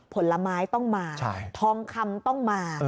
ผลไม้ต้องมาทองคำต้องมา